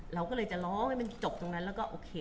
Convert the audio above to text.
เราก็เลยจะร้องให้มันจบตรงนั้นแล้วก็โอเค